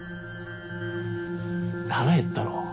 腹へったろ？